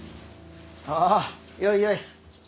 あよいよい。